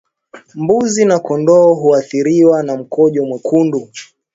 Mbuzi na kondoo huathiriwa na mkojo mwekundu